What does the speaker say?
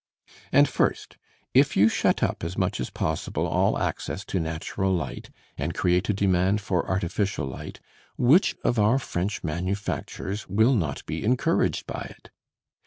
And first, if you shut up as much as possible all access to natural light, and create a demand for artificial light, which of our French manufactures will not be encouraged by it?